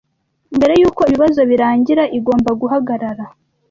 Mbere yuko ibibazo birangira. Igomba guhagarara--